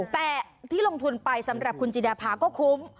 แต่ที่ลงทุนไปสำหรับคุณจิดาภาก็คุ้ม